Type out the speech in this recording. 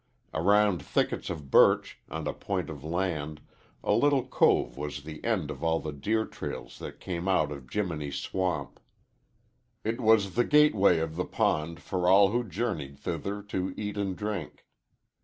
Around thickets of birch, on a point of land, a little cove was the end of all the deer trails that came out of Jiminy Swamp. It was the gateway of the pond for all who journeyed thither to eat and drink.